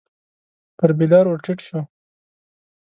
پر بېلر ور ټيټ شو.